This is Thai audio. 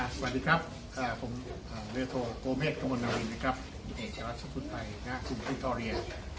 สวัสดีครับผมโดยโทรโปรเมฆกรมนาวินเอกจากรัฐสมุทรภัยหน้ากลุ่มอินทรีย์